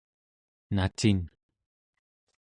nacin